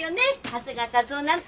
長谷川一夫なんて。